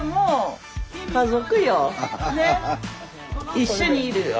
一緒にいるよ。